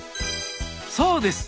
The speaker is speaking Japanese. そうです！